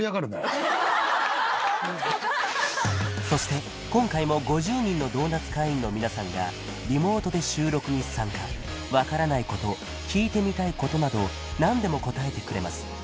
そして今回も５０人のドーナツ会員の皆さんがリモートで収録に参加分からないこと聞いてみたいことなど何でも答えてくれます